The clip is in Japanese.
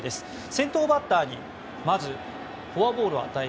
先頭バッターにまずフォアボール。